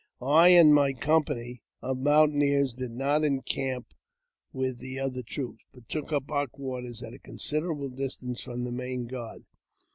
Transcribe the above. I and my company of mountaineers did not encamp with the other troops, but took up our quarters at a considerable distance from the main guard.